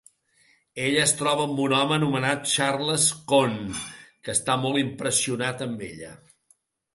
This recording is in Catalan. Ella es troba amb un home anomenat Charles Cohn, que està molt impressionat amb ella.